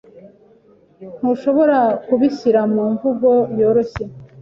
Ntushobora kubishyira mu mvugo yoroshye?